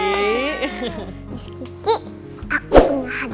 bener bener tanya miss kiki mbak mirna